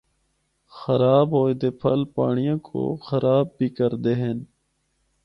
خراب ہوئے دے پھل پانڑیا کو خراب بھی کردے ہن۔